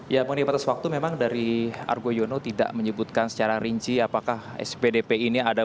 ya moni batas waktu memang dari argo yono tidak menyebutkan secara rinci apakah spdp ini ada